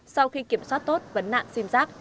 sau khi kiểm soát tốt vấn nạn sim giác